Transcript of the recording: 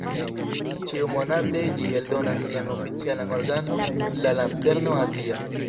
Ĉiumonate ĝi eldonas sian oficialan organon "La Lanterno Azia".